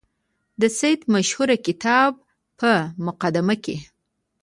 د سید مشهور کتاب په مقدمه کې.